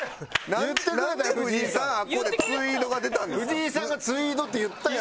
藤井さんが「ツイード」って言ったよ。